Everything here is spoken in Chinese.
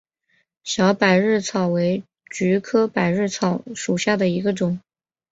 小百日草为菊科百日草属下的一个种。